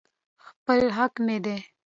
خپل حق مې دى.